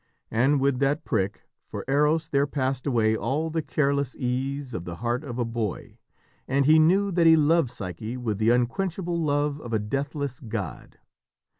And with that prick, for Eros there passed away all the careless ease of the heart of a boy, and he knew that he loved Psyche with the unquenchable love of a deathless god.